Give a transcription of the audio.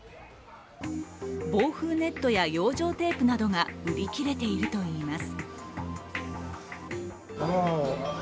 防風ネットや養生テープなどが売り切れているといいます。